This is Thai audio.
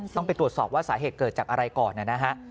ต้องไปตรวจสอบว่าสาเหตุเกิดจากอะไรก่อนนะฮะ